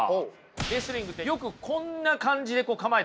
レスリングってよくこんな感じで構えたりしてますよね。